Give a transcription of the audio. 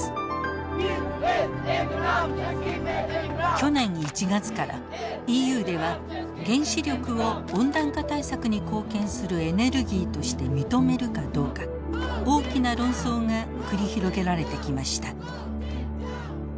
去年１月からＥＵでは原子力を温暖化対策に貢献するエネルギーとして認めるかどうか大きな論争が繰り広げられてきました。